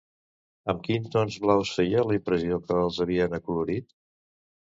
Amb quins tons blaus feia la impressió que els havien acolorit?